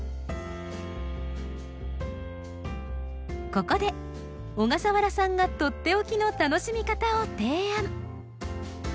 ここで小笠原さんがとっておきの楽しみ方を提案。